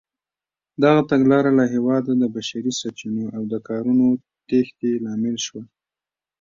دغه تګلاره له هېواده د بشري سرچینو او کادرونو تېښتې لامل شوه.